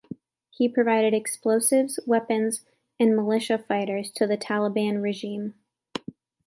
He provided explosives, weapons, and militia fighters to the Taliban regime.